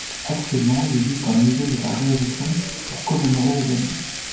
Actuellement il existe un Musée de la Reddition pour commémorer l'événement.